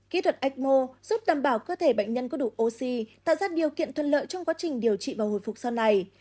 kỹ thuật ecmo giúp đảm bảo cơ thể bệnh nhân có đủ oxy tạo ra điều kiện thuận lợi trong quá trình điều trị và hồi phục sau này